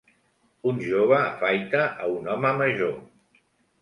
Un jove afaita a un home major